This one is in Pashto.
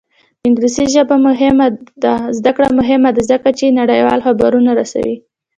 د انګلیسي ژبې زده کړه مهمه ده ځکه چې نړیوال خبرونه رسوي.